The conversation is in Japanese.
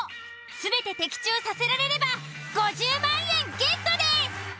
全て的中させられれば５０万円ゲットです。